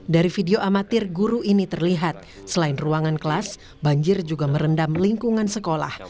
dari video amatir guru ini terlihat selain ruangan kelas banjir juga merendam lingkungan sekolah